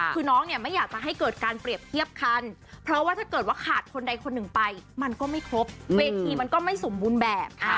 คือน้องเนี่ยไม่อยากจะให้เกิดการเปรียบเทียบคันเพราะว่าถ้าเกิดว่าขาดคนใดคนหนึ่งไปมันก็ไม่ครบเวทีมันก็ไม่สมบูรณ์แบบ